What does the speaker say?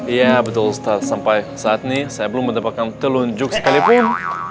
iya betul sampai saat ini saya belum mendapatkan telunjuk sekalipun